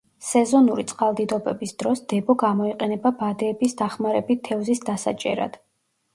სეზონური წყალდიდობების დროს დებო გამოიყენება ბადეების დახმარებით თევზის დასაჭერად.